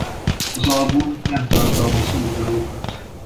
Az album nem tartalmaz új dalokat.